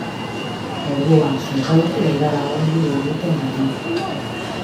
Orduan zerbait ez gara ongi egiten ari.